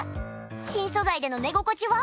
新素材での寝心地は？